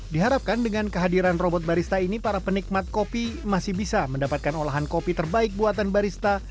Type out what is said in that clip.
diharapkan dengan kehadiran robot barista ini para penikmat kopi masih bisa mendapatkan olahan kopi terbaik buatan barista